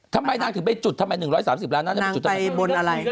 ทำไมนางถึงไปจุดทำไม๑๓๐ล้านนัทนางไปบนอะไร